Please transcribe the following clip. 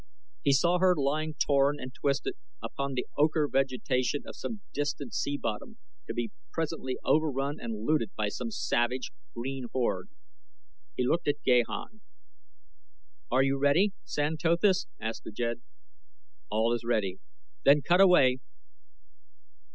He saw her lying torn and twisted upon the ochre vegetation of some distant sea bottom, to be presently overrun and looted by some savage, green horde. He looked at Gahan. "Are you ready, San Tothis?" asked the jed. "All is ready." "Then cut away!"